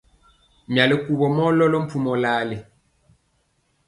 Myali kuvɔ mɔ lɔlɔ mpumɔ lali.